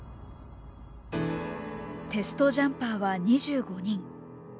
テストジャンパーは２５人。